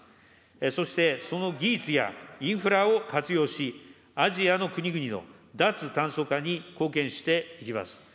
そしてその技術やインフラを活用し、アジアの国々の脱炭素化に貢献していきます。